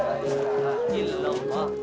terima kasih paka